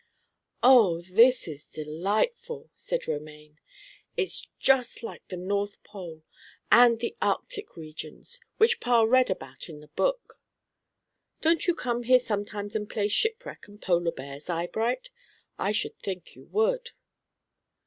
"Oh, this is delightful," said Romaine. "It's just like the North Pole and the Arctic regions which Pa read about in the book. Don't you come here sometimes and play shipwreck and polar bears, Eyebright? I should think you would."